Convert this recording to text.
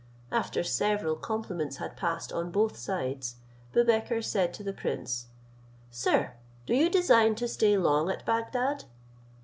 After several compliments had passed on both sides, Boubekir said to the prince, "Sir, do you design to stay long at Bagdad?"